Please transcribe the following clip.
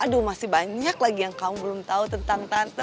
aduh masih banyak lagi yang kaum belum tahu tentang tante